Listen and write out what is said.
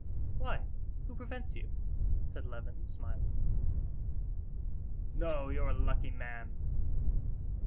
"Why, who prevents you?" said Levin, smiling. "No, you're a lucky man!